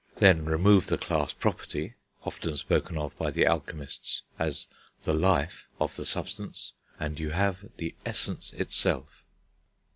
Then remove the class property, often spoken of by the alchemists as the life, of the substance, and you have the Essence itself.